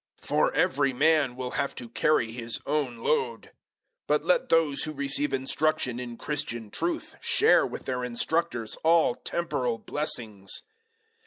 006:005 For every man will have to carry his own load. 006:006 But let those who receive instruction in Christian truth share with their instructors all temporal blessings.